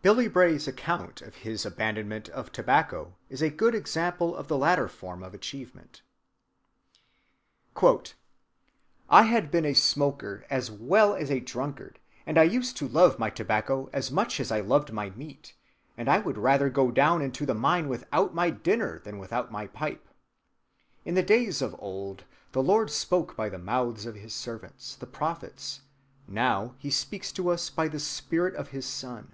Billy Bray's account of his abandonment of tobacco is a good example of the latter form of achievement. "I had been a smoker as well as a drunkard, and I used to love my tobacco as much as I loved my meat, and I would rather go down into the mine without my dinner than without my pipe. In the days of old, the Lord spoke by the mouths of his servants, the prophets; now he speaks to us by the spirit of his Son.